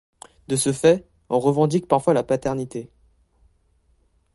De ce fait, en revendiquent parfois la paternité.